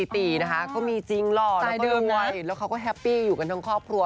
ตีนะคะก็มีจริงหล่อเลยด้วยแล้วเขาก็แฮปปี้อยู่กันทั้งครอบครัว